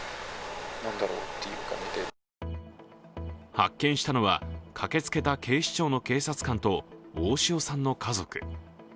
発見したのは、駆けつけた警視庁の警察官と大塩さんの家族。